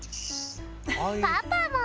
パパも！